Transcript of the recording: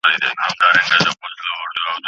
ایا پانګونه د پرمختګ لامل کیږي؟